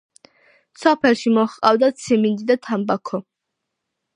სოფელში მოჰყავდათ სიმინდი და თამბაქო.